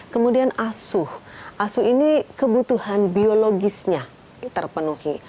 kemudian asuh asuh ini kebutuhan biologisnya terpenuhi